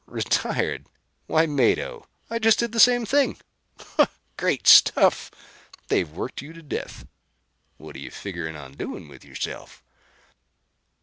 "Retired! Why Mado, I just did the same thing." "Great stuff! They've worked you to death. What are you figuring on doing with yourself?"